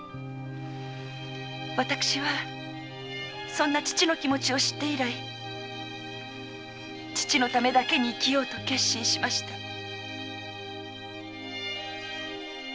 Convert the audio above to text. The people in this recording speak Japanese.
私はそんな父の気持ちを知って以来父のためだけに生きようと決心しました。